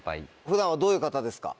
普段はどういう方ですか？